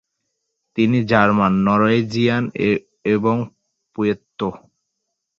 তিনি German, Norwegian এবং Puerto.